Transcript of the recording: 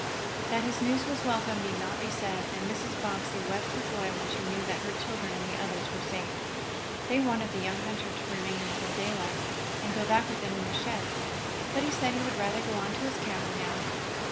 That his news was welcome need not be said, and Mrs. Bobbsey wept for joy when she knew that her children and the others were safe. They wanted the young hunter to remain until daylight, and go back with them in the sled, but he said he would rather go on to his cabin now.